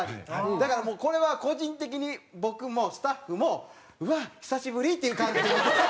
だからもうこれは個人的に僕もスタッフも「うわ久しぶり」っていう感じで見てた。